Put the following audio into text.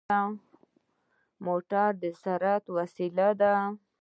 موټر د سرعت وسيله ده.